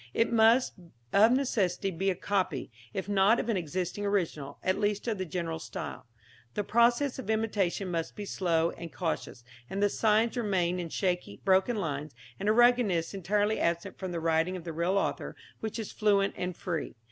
It must of necessity be a copy, if not of an existing original, at least of the general style. The process of imitation must be slow and cautious, and the signs remain in shaky, broken lines, and a ruggedness entirely absent from the writing of the real author, which is fluent and free.